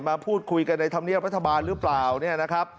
มาพูดคุยกันในธรรมเนียบรัฐบาลหรือเปล่าเนี่ยนะครับ